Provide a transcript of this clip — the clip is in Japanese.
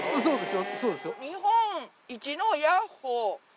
そうですよ。